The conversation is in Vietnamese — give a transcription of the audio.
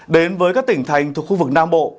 đến với các tỉnh thành thuộc khu vực nam bộ